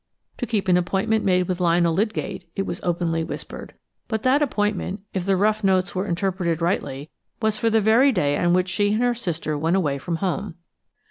To keep an appointment made with Lionel Lydgate, it was openly whispered; but that appointment–if the rough notes were interpreted rightly–was for the very day on which she and her sister went away from home.